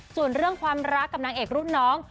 ส่วนเรื่องความรักกับนางเอกรุ่นน้อง